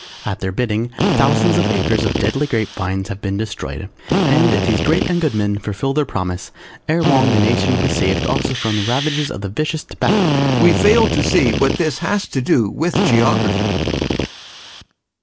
At their bidding, thousands of acres of deadly grape vines have been destroyed, and, if these great and good men fulfil their promise, ere long the nation will be saved also from the ravages of the vicious Tobac We fail to see what this has to do with Geography.